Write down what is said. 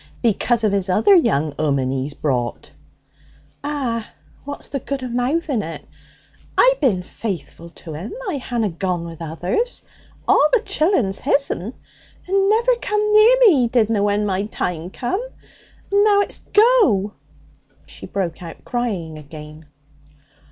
'Because of this other young 'ooman he's brought?' 'Ah, what's the good o' mouthing it? I bin faithful to 'im; I hanna gone with others. All the chillun's his'n. And never come near me, he didna, when my time come. And now it's "go!"' She broke out crying again.